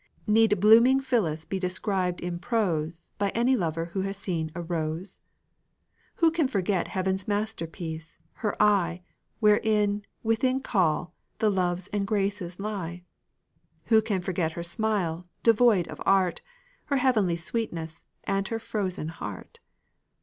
Need blooming Phyllis be described in prose By any lover who has seen a rose? Who can forget heaven's masterpiece, her eye, Where, within call, the Loves and Graces lie? Who can forget her smile, devoid of art, Her heavenly sweetness and her frozen heart?